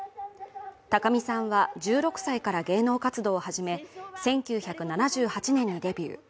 高見さんは１６歳から芸能活動を始め、１９７８年にデビュー。